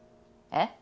えっ？